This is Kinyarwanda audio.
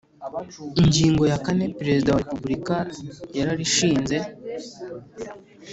Ingingo ya kane Perezida wa Repubulika yararishinze